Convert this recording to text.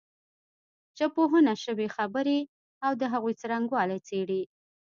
ژبپوهنه شوې خبرې او د هغوی څرنګوالی څېړي